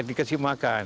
ketika kasih makan